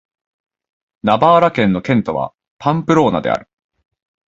ナバーラ県の県都はパンプローナである